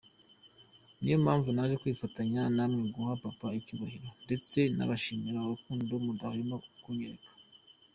Niyo mpamvu naje kwifatanya na mwe guha papa icyubahiro ndetse nabashimira urukundo mudahwema kunyereka.